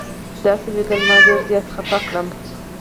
داسې لیدل ما ډېر زیات خفه کړم.